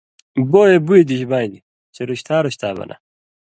بوئے بُوئ دِش بانیۡ چے رُشتا رُشتا بنہ